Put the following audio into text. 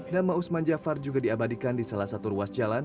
nama usman jafar juga diabadikan di salah satu ruas jalan